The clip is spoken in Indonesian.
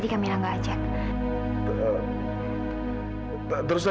semakin baik kamu mengilang